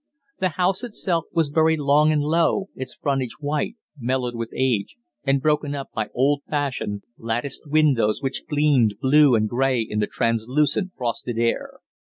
The house itself was very long and low, its frontage white, mellowed with age, and broken up by old fashioned, latticed windows which gleamed blue and grey in the translucent, frosted air.